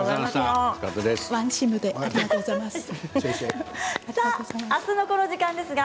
ワンチームでありがとうございました。